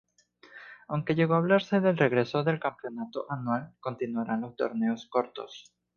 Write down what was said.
Aunque llegó a hablarse del regreso del campeonato anual, continuarán los torneos cortos.